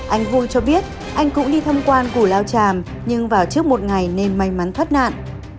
anh vui cho biết anh cũng đi thăm quan củ lao tràm nhưng vào trước một ngày nên may mắn thoát nạn